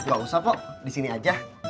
gak usah pok disini aja